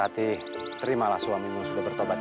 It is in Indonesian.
ratih terimalah suamimu sudah bertobat itu